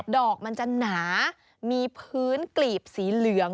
อกมันจะหนามีพื้นกลีบสีเหลือง